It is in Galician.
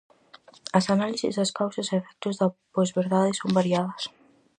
As análises das causas e efectos da posverdade son variadas.